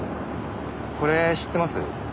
これ知ってます？